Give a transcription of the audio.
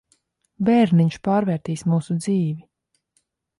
Bērniņš pārvērtīs mūsu dzīvi.